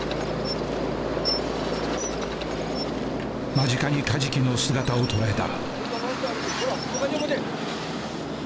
間近にカジキの姿を捉えた。